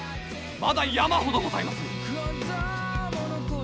まだ山ほどございまする！